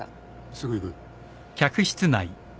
すぐ行く。